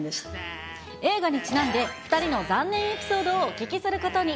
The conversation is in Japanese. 映画にちなんで、２人のざんねんエピソードをお聞きすることに。